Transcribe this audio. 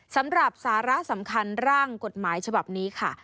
สำหรับสาระสำคัญร่างกฎหมายฉบับนี้ค่ะ